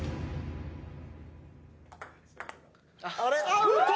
アウト！